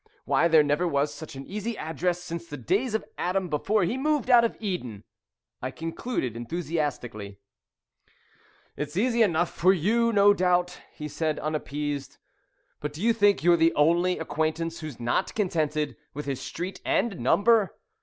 Why, there never was such an easy address since the days of Adam before he moved out of Eden," I concluded enthusiastically. [Illustration: "'THERE NEVER WAS SUCH AN EASY ADDRESS.'"] "It's easy enough for you, no doubt," he said, unappeased. "But do you think you're the only acquaintance who's not contented with his street and number?